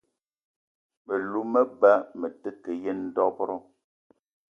Me lou me ba me te ke yen dob-ro